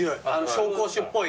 紹興酒っぽい。